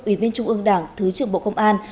ủy viên trung ương đảng thứ trưởng bộ công an